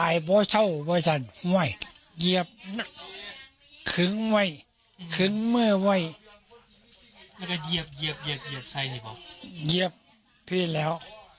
เยี่ยบพี่แล้ว